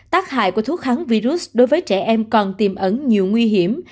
tác hại của thuốc kháng virus đối với trẻ em còn tiềm ẩn nhiều nguy hiểm